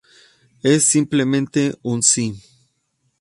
Es simplemente un sí.